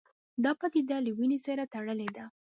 دا پدیده له وینې سره تړلې ده